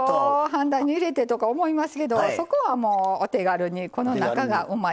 飯台に入れてとか思いますけどそこはもうお手軽にこの中がうまいこと。